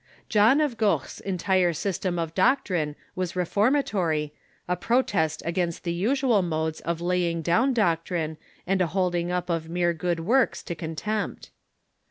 John of Goch's entire system of doctrine was reformatory, a protest against the usual modes of laying down doctrine, and a holding up of mere good works to contempt.